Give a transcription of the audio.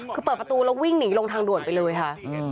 คือเปิดประตูแล้ววิ่งหนีลงทางด่วนไปเลยค่ะ